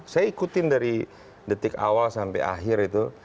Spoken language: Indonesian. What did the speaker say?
saya ikutin dari detik awal sampai akhir itu